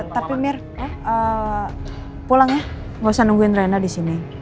tapi mir pulang ya gausah nungguin reyna disini